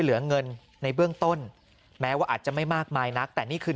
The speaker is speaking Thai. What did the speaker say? เหลือเงินในเบื้องต้นแม้ว่าอาจจะไม่มากมายนักแต่นี่คือ